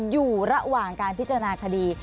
อยู่ระหว่างการพิจารณาคดี